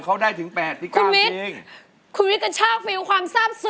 มันจะต้องการแปลกแต่แต่